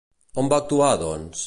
On va actuar, doncs?